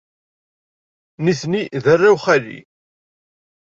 Nitni d arraw n xali.